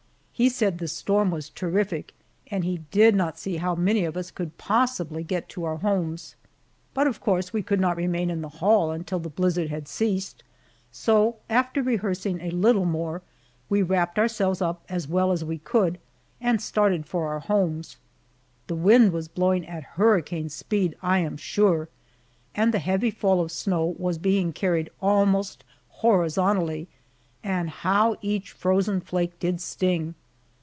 He said the storm was terrific and he did not see how many of us could possibly get to our homes. But of course we could not remain in the hall until the blizzard had ceased, so after rehearsing a little more, we wrapped ourselves up as well as we could and started for our homes. The wind was blowing at hurricane speed, I am sure, and the heavy fall of snow was being carried almost horizontally, and how each frozen flake did sting!